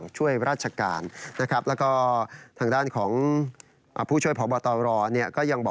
ก็ควรจะบอกให้ทราบ